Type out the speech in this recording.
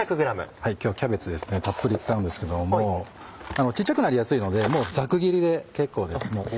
今日はキャベツですねたっぷり使うんですけども小っちゃくなりやすいのでもうざく切りで結構です。